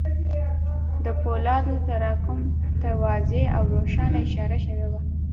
د پولادو تراکم ته واضح او روښانه اشاره شوې وه